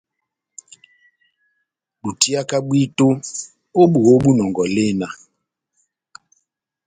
Dutiaka bwito ó boho bwa inɔngɔ elena.